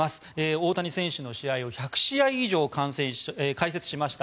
大谷選手の試合を１００試合以上解説しました